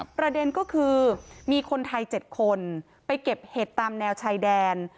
ประเด็นก็คือมีคนไทย๗คนไปเก็บเห็ดตามแนวชายแดน